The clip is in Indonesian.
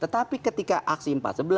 tetapi ketika aksi empat sebelas